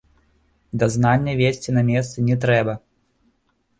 Дазнання весці на месцы не трэба.